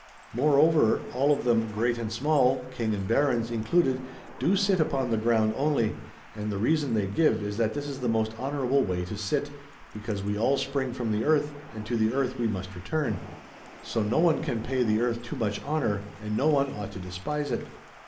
Moreover all of them, great and small, King and Barons included, do sit upon the ground only, and the reason they give is that this is the most honourable way to sit, because we all spring from the Earth and to the Earth we must return ; so no one can pay the Earth too much honour, and no one ought to despise it.